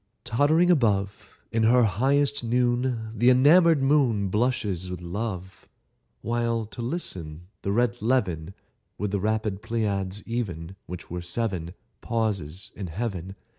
Tottering above In her highest noon, The enomoured moon Blushes with love, While, to listen, the red levin (With the rapid Pleiads, even, Which are seven) Pauses in Heaven.